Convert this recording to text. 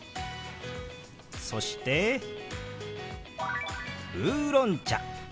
そして「ウーロン茶」。